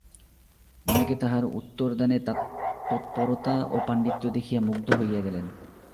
অনেকে তাঁহার উত্তরদানে তৎপরতা ও পাণ্ডিত্য দেখিয়া মুগ্ধ হইয়া গেলেন।